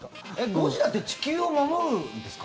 ゴジラって地球を守るんですか？